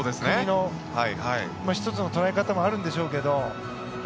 国の１つの捉え方もあるんでしょうけど。